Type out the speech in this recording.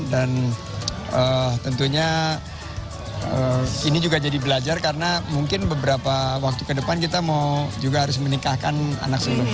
dan tentunya ini juga jadi belajar karena mungkin beberapa waktu ke depan kita mau juga harus menikahkan anak seumur kita